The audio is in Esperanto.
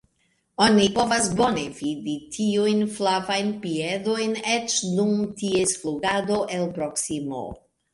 Oni povas bone vidi tiujn flavajn piedojn eĉ dum ties flugado, el proksimo.